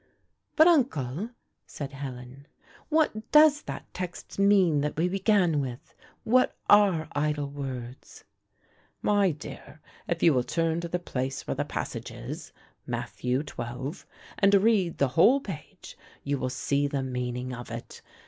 "But, uncle," said Helen, "what does that text mean that we began with? What are idle words?" "My dear, if you will turn to the place where the passage is (Matt. xii.) and read the whole page, you will see the meaning of it.